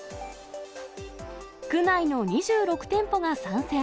区内の２６店舗が参戦。